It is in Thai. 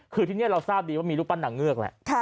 คือที่นี่เราทราบดีว่ามีรูปปั้นนางเงือกแหละ